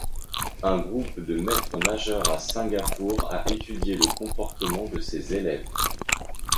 Un groupe de maîtres-nageurs à Singapour a étudié le comportement de ses élèves.